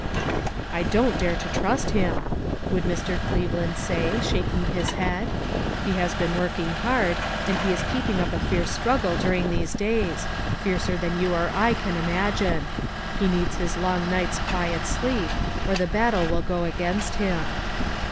" I don't dare to trust him," would Mr. Cleveland sa}% shaking his head ;" lie has been working hard, and he is keeping up a DISCIPLINE. 351 fierce struggle during these days — fiercer than you or I can imagine. He needs his long night's quiet sleep, or the battle will go against him."